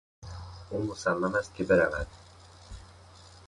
او مصمم است که برود.